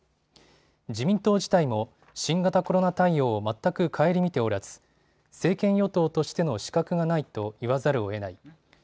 自民党自体も新型コロナ対応を全く顧みておらず政権与党としての資格がないと言わざるをえない。